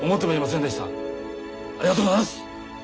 ありがとうございます！